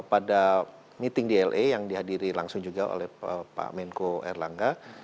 dan pada meeting di la yang dihadiri langsung juga oleh pak menko erlangga